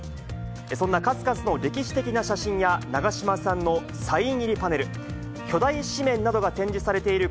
そんな数々の歴史的な写真や、長嶋さんのサイン入りパネル、巨大紙面などが展示されている